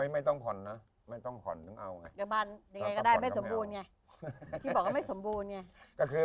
ไม่ต้องผ่อนนะมาสอบว่าไม่สมบูรณ์